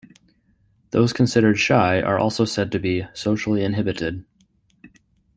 Those considered shy are also said to be "socially inhibited".